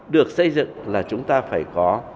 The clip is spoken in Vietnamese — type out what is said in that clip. được xây dựng là chúng ta phải có